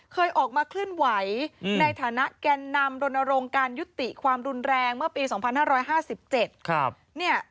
เคยออกมาเคลื่อนไหวในฐานะแกนนำรณรงค์การยุติความรุนแรงเมื่อปี๒๕๕๗